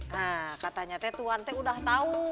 nah katanya teh tuhan teh udah tau